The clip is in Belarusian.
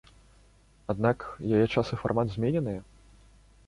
Аднак яе час і фармат змененыя.